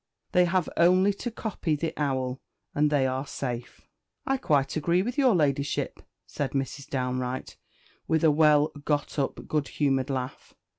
The have only to copy the owl, and they are safe." "I quite agree with your Ladyship ," said Mrs. Downe Wright, with a well got up, good humoured laugh.